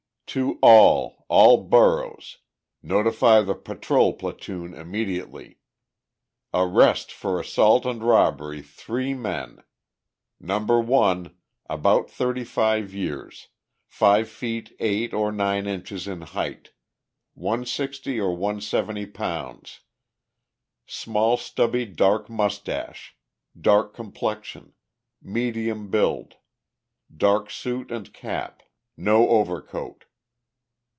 To all, all Boroughs—notify the patrol platoon immediately. Arrest for assault and robbery three men: No. 1, about 35 years, five feet eight or nine inches in height, 160 or 170 pounds, small stubby dark mustache, dark complexion, medium build, dark suit and cap, no overcoat.